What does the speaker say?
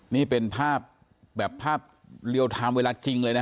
นี่เป็นภาพแบบภาพเรียลไทม์เวลาจริงเลยนะ